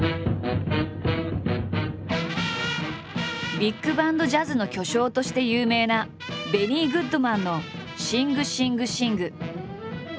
ビッグバンド・ジャズの巨匠として有名なベニー・グッドマンの「シング・シング・シング」。